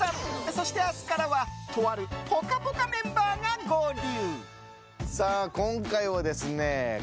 そして明日からはとある「ぽかぽか」メンバーが合流。